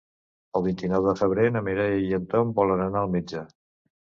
El vint-i-nou de febrer na Mireia i en Tom volen anar al metge.